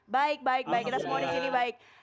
baik baik kita semua disini baik